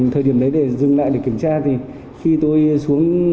thời điểm đấy để dừng lại để kiểm tra thì khi tôi xuống